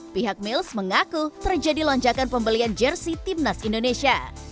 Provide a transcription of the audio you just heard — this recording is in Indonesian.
pihak mills mengaku terjadi lonjakan pembelian jersey timnas indonesia